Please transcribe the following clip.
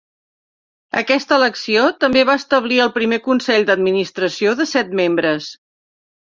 Aquesta elecció també va establir el primer consell d'administració de set membres.